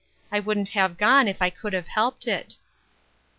I wouldn't have gone if I could have helped it."